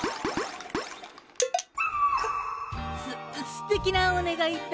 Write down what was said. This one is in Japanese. すてきなおねがいだね。